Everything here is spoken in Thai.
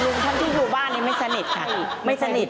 ลุงเขาที่อยู่บ้านยังไม่สนิทค่ะไม่สนิทด้วย